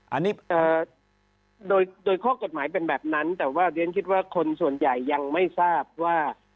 อันนี้โดยข้อกฎหมายเป็นแบบนั้นแต่ว่าเรียนคิดว่าคนส่วนใหญ่ยังไม่ทราบว่า